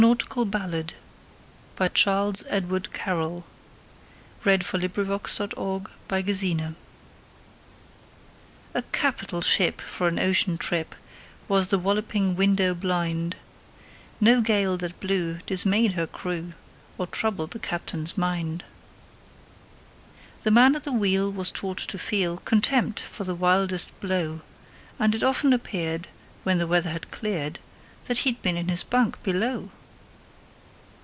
E F . G H . I J . K L . M N . O P . Q R . S T . U V . W X . Y Z A Nautical Ballad A CAPITAL ship for an ocean trip Was The Walloping Window blind No gale that blew dismayed her crew Or troubled the captain's mind. The man at the wheel was taught to feel Contempt for the wildest blow, And it often appeared, when the weather had cleared, That he'd been in his bunk below.